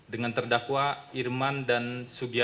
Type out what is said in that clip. dengan terdakwa irman dan sugiyah